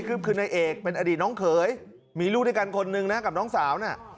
คือนายเอกเป็นอดีตน้องเขยมีลูกด้วยกันคนนึงนะกับน้องสาวน่ะ